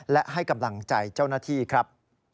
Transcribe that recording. และให้กำลังใจเจ้าหน้าที่ครับ